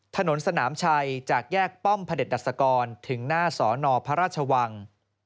ถนนสนามชัยจากแยกป้อมพระเด็จดัชกรถึงหน้าสอนอพระราชวัง